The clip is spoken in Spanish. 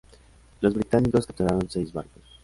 Los británicos capturaron seis barcos.